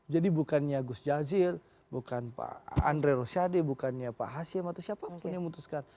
jadi bukannya gus jazil bukan pak andre rosyade bukannya pak hasim atau siapa pun yang memutuskan